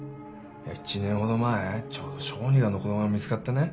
１年ほど前ちょうど小児がんの子供が見つかってね